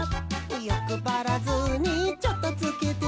「よくばらずにチョットつけて」